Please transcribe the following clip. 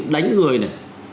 đánh người này